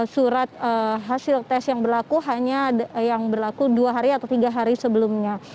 surat hasil tes yang berlaku hanya yang berlaku dua hari atau tiga hari sebelumnya